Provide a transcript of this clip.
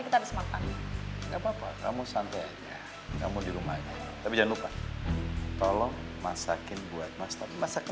tapi jangan lupa tolong masakin buat masakan